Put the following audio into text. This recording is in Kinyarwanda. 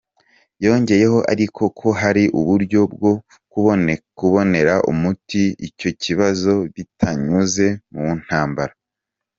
Yongeyeho ariko ko hari uburyo bwo kubonera umuti icyo kibazo bitanyuze mu ntambara.